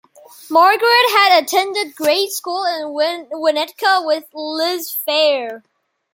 Margaret had attended grade school in Winnetka with Liz Phair.